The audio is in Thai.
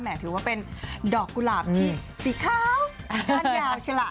ถือว่าเป็นดอกกุหลาบที่สีขาวด้านยาวใช่ล่ะ